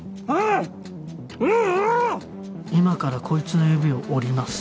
今からこいつの指を折ります。